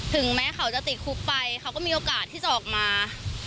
ถึงแม้เขาจะติดคุกไปเขาก็มีโอกาสที่จะออกมา